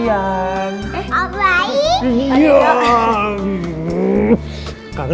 dan aku oh gitu udah aku duluan ya